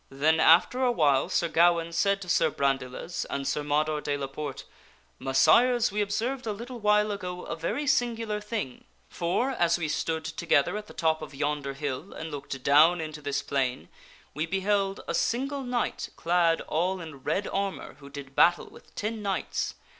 Then after a while Sir Gawaine said to Sir Brandiles and Sir Mador de la Porte, " Messires, we observed a little while ago a very singular thing ; for, as we stood together at the top of yonder hill and looked down into this plain we beheld^ single knight clad all in red armor who did battle with ten knights.